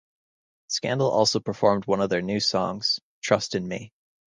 Scandal also performed one of their new songs, "Trust In Me".